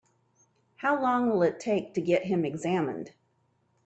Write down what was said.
How long will it take to get him examined?